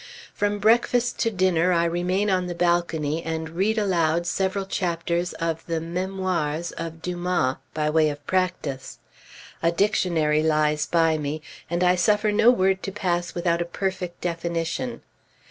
From breakfast to dinner I remain on the balcony, and read aloud several chapters of the "Mémoires" of Dumas, by way of practice. A dictionary lies by me, and I suffer no word to pass without a perfect definition.